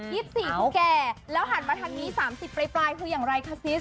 ๒๔คนแก่แล้วหันมาทางนี้๓๐ปลายคืออย่างไรคะซิส